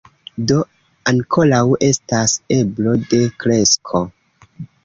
Do ankoraŭ estas eblo de kresko.